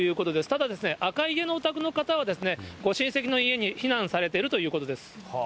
ただですね、赤い家のお宅の方はご親戚の家に避難されているということです。